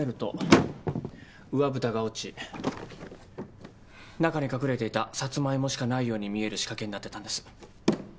ゴトッ上蓋が落ち中に隠れていたさつまいもしかないように見える仕掛けになってたんです。